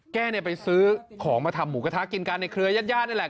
แก้เนี่ยไปซื้อของมาทำหมูกระทะกินกันในเครือยาดนี่แหละ